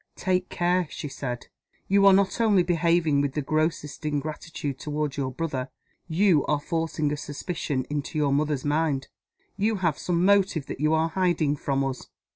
"Take care!" she said. "You are not only behaving with the grossest ingratitude toward your brother you are forcing a suspicion into your mother's mind. You have some motive that you are hiding from us."